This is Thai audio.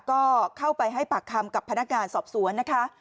ก็เข้าไปให้ปากคำกับพนักงานสอบสวนนะคะ